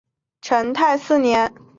成泰四年。